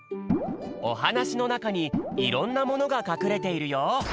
おはなしのなかにいろんなものがかくれているよ。